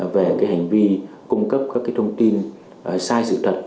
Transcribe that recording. về hành vi cung cấp các thông tin sai sự thật